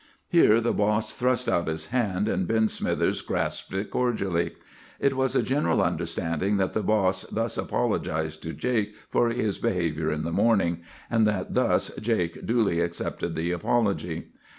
"Here the boss thrust out his hand, and Ben Smithers grasped it cordially. It was a general understanding that the boss thus apologized to Jake for his behavior in the morning, and that thus Jake duly accepted the apology.